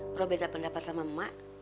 pro beda pendapat sama emak